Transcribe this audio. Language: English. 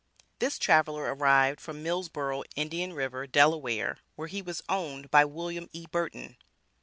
This traveler arrived from Millsboro, Indian River, Delaware, where he was owned by Wm. E. Burton.